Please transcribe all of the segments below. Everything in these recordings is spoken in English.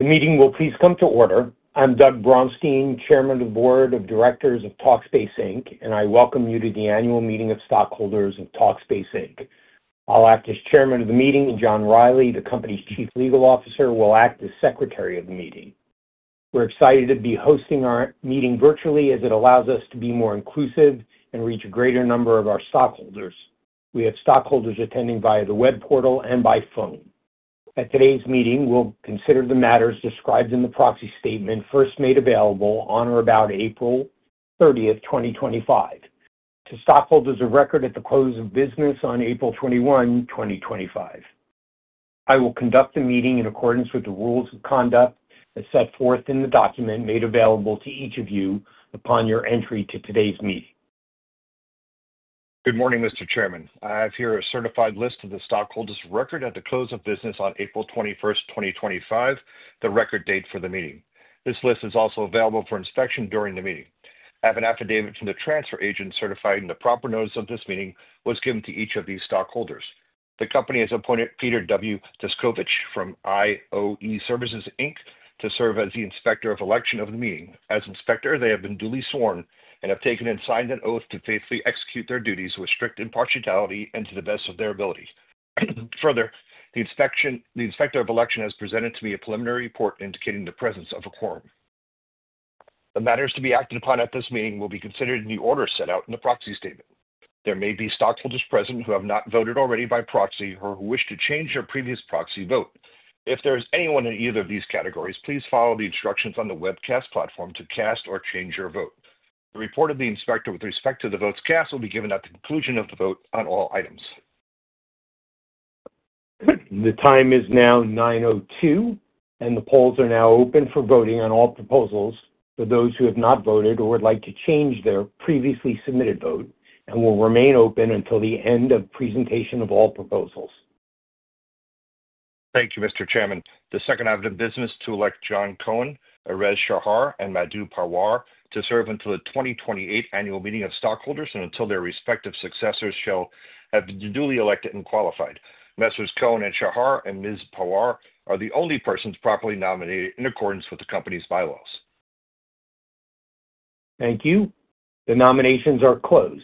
Meeting will please come to order. I'm Doug Braunstein, Chairman of the Board of Directors of Talkspace, and I welcome you to the annual meeting of stockholders of Talkspace. I'll act as Chairman of the Meeting, and John Reilly, the company's Chief Legal Officer, will act as Secretary of the Meeting. We're excited to be hosting our meeting virtually as it allows us to be more inclusive and reach a greater number of our stockholders. We have stockholders attending via the web portal and by phone. At today's meeting, we'll consider the matters described in the proxy statement first made available on or about April 30th, 2025, to stockholders of record at the close of business on April 21, 2025. I will conduct the meeting in accordance with the rules of conduct as set forth in the document made available to each of you upon your entry to today's meeting. Good morning, Mr. Chairman. I have here a certified list of the stockholders of record at the close of business on April 21st, 2025, the record date for the meeting. This list is also available for inspection during the meeting. I have an affidavit from the transfer agent certifying the proper notice of this meeting was given to each of these stockholders. The company has appointed Peter W. Descovich from IOE Services Inc. to serve as the inspector of election of the meeting. As inspector, they have been duly sworn and have taken and signed an oath to faithfully execute their duties with strict impartiality and to the best of their ability. Further, the inspector of election has presented to me a preliminary report indicating the presence of a quorum. The matters to be acted upon at this meeting will be considered in the order set out in the proxy statement. There may be stockholders present who have not voted already by proxy or who wish to change their previous proxy vote. If there is anyone in either of these categories, please follow the instructions on the webcast platform to cast or change your vote. The report of the inspector with respect to the votes cast will be given at the conclusion of the vote on all items. The time is now 9:02 A.M., and the polls are now open for voting on all proposals for those who have not voted or would like to change their previously submitted vote and will remain open until the end of presentation of all proposals. Thank you, Mr. Chairman. The second order of business to elect Jon Cohen, Erez Shachar, and Madhu Pawar to serve until the 2028 annual meeting of stockholders and until their respective successors shall have been duly elected and qualified. Mr. Cohen and Shachar and Ms. Pawar are the only persons properly nominated in accordance with the company's bylaws. Thank you. The nominations are closed.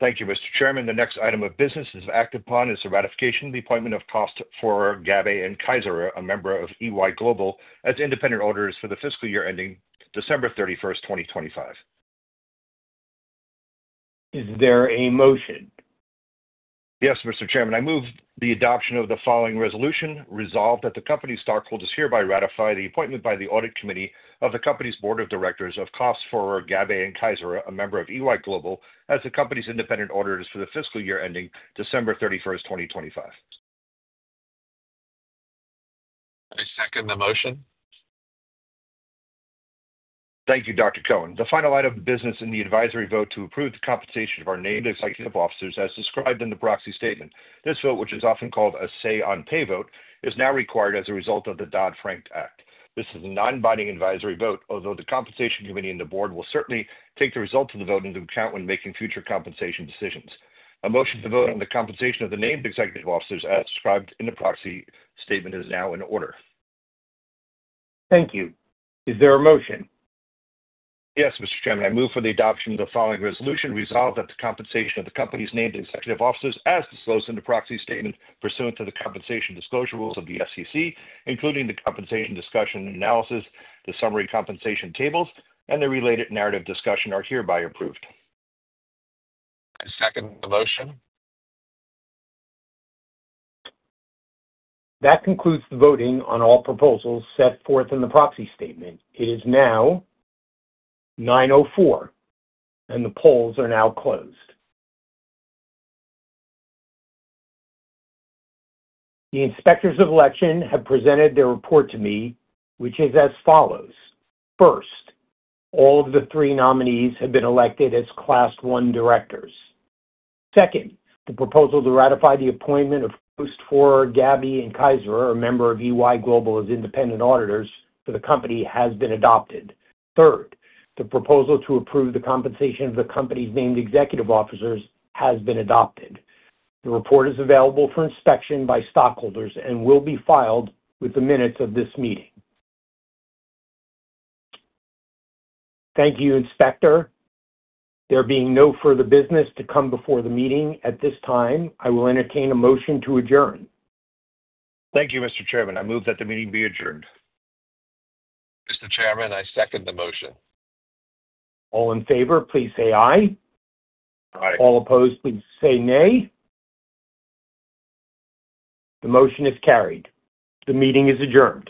Thank you, Mr. Chairman. The next item of business is acted upon as a ratification of the appointment of Gadde and Kaiser, a member of EY Global, as independent auditors for the fiscal year ending December 31sst, 2025. Is there a motion? Yes, Mr. Chairman. I move the adoption of the following resolution: Resolved, that the company's stockholders hereby ratify the appointment by the audit committee of the company's board of directors of Gadde and Kaiser, a member of EY Global, as the company's independent auditors for the fiscal year ending December 31st, 2025. I second the motion. Thank you, Dr. Cohen. The final item of business is the advisory vote to approve the compensation of our named executive officers as described in the proxy statement. This vote, which is often called a say-on-pay vote, is now required as a result of the Dodd-Frank Act. This is a non-binding advisory vote, although the compensation committee and the board will certainly take the result of the vote into account when making future compensation decisions. A motion to vote on the compensation of the named executive officers as described in the proxy statement is now in order. Thank you. Is there a motion? Yes, Mr. Chairman. I move for the adoption of the following resolution. Resolved that the compensation of the company's named executive officers as disclosed in the proxy statement pursuant to the compensation disclosure rules of the SEC, including the compensation discussion and analysis, the summary compensation tables, and the related narrative discussion, are hereby approved. I second the motion. That concludes the voting on all proposals set forth in the proxy statement. It is now 9:04 A.M., and the polls are now closed. The Inspector of election has presented their report to me, which is as follows. First, all of the three nominees have been elected as Class 1 directors. Second, the proposal to ratify the appointment of Gadde and Kaiser, a member of EY Global as independent auditors for the company, has been adopted. Third, the proposal to approve the compensation of the company's named executive officers has been adopted. The report is available for inspection by stockholders and will be filed with the minutes of this meeting. Thank you, Inspector. There being no further business to come before the meeting at this time, I will entertain a motion to adjourn. Thank you, Mr. Chairman. I move that the meeting be adjourned. Mr. Chairman, I second the motion. All in favor, please say aye. Aye. All opposed, please say nay. The motion is carried. The meeting is adjourned.